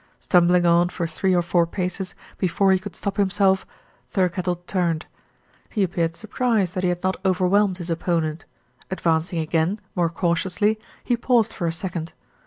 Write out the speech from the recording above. Stumbling on for three or four paces before he could stop himself, Thirkettle turned. He appeared sur prised that he had not overwhelmed his opponent. Ad vancing again, more cautiously, he paused for a sec ond.